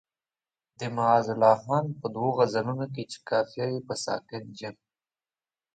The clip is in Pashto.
د معزالله خان په دوو غزلونو کې چې قافیه یې په ساکن جیم.